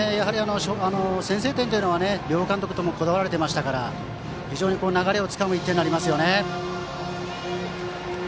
先制点というのは両監督ともこだわられていましたから非常に流れをつかむ１点になりますね。